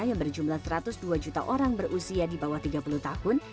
yang berjumlah satu ratus dua juta orang berusia di bawah tiga puluh tahun